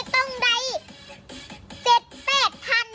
จัดกระบวนพร้อมกัน